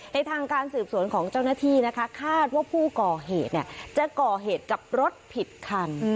ในทางการสืบสวนของเจ้าหน้าที่นะคะคาดว่าผู้ก่อเหตุจะก่อเหตุกับรถผิดคัน